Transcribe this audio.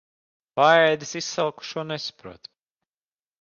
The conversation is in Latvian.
Paēdis izsalkušo nesaprot.